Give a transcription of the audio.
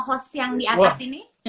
host yang di atas ini